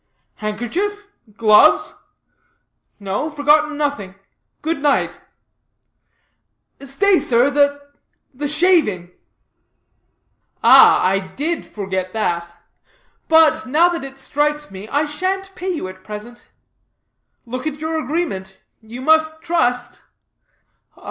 "Handkerchief? gloves? No, forgotten nothing. Good night." "Stay, sir the the shaving." "Ah, I did forget that. But now that it strikes me, I shan't pay you at present. Look at your agreement; you must trust.